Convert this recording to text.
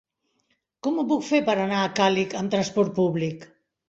Com ho puc fer per anar a Càlig amb transport públic?